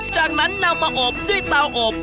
จากนั้นนำมาอบด้วยเตาอบ